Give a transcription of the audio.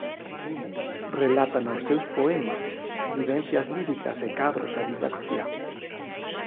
Relata nos seus poemas vivencias líricas e cadros da vida cotiá.